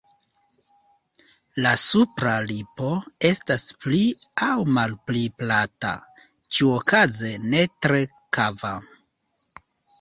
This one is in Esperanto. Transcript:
La supra lipo estas pli aŭ malpli plata, ĉiuokaze ne tre kava.